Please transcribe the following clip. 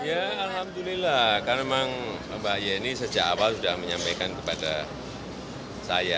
ya alhamdulillah karena memang mbak yeni sejak awal sudah menyampaikan kepada saya